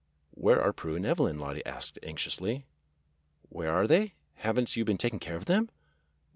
"WTiere are Prue and Evelyn.^" Lottie asked anxiously. "Where are they.^ Have n't you been taking care of them.?"